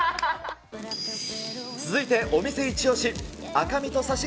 続いてお店イチオシ！